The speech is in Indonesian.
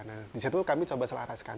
nah disitu kami coba selaras kan